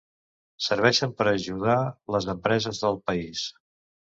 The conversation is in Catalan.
Serveixen per a ajudar les empreses del país.